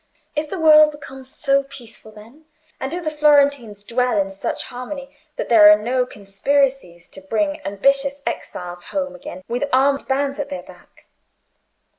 Is the world become so peaceful, then, and do Florentines dwell in such harmony, that there are no longer conspiracies to bring ambitious exiles home again with armed bands at their back?